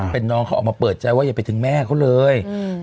เป็นน้องเขาออกมาเปิดใจว่าอย่าไปถึงแม่เขาเลย